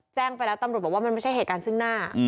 แจ้งไปแล้วตำรวจบอกว่ามันไม่ใช่เหตุการณ์ซึ่งหน้า